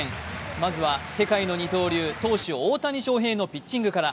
まずは世界の二刀流、投手・大谷翔平のピッチングから。